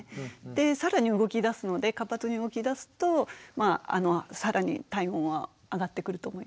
で更に動きだすので活発に動きだすと更に体温は上がってくると思います。